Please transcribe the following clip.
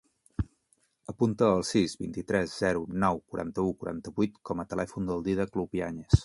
Apunta el sis, vint-i-tres, zero, nou, quaranta-u, quaranta-vuit com a telèfon del Dídac Lupiañez.